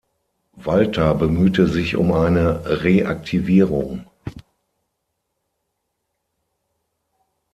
Walter bemühte sich um eine Reaktivierung.